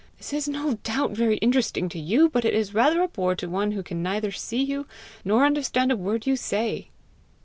"This is no doubt very interesting to you, but it is rather a bore to one who can neither see you, nor understand a word you say."